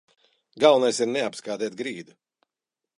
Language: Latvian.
Galvenais ir neapskādēt grīdu.